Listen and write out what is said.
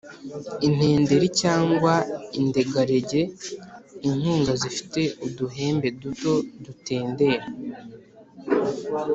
intenderi cyangwa indegarege: inkungu zifite uduhembe duto dutendera